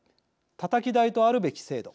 たたき台とあるべき制度。